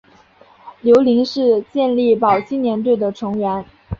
刘麟是健力宝青年队的成员。